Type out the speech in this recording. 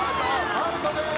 アウトです！